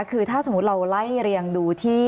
คือถ้าสมมุติเราไล่เรียงดูที่